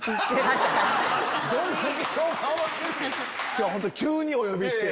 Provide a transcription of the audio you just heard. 今日は本当に急にお呼びして。